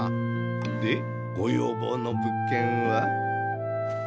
でご要望の物件は？